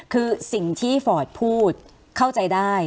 คือสิ่งที่ฟอร์ดพูดเข้าใจได้